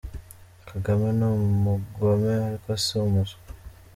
Kagame ni umugome ariko si umuswa !